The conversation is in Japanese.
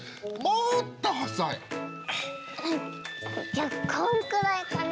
じゃこんくらいかな？